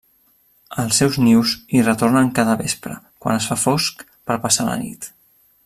Als seus nius hi retornen cada vespre, quan es fa fosc, per passar la nit.